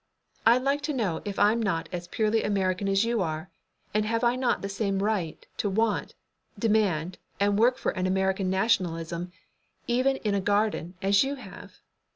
"I'd like to know if I'm not as purely American as you are, and have I not the same right to want, demand and work for an American nationalism, even in a garden, as you have?